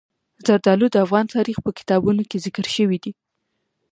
زردالو د افغان تاریخ په کتابونو کې ذکر شوی دي.